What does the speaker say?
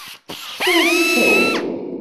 Xtiṛ s ttawil.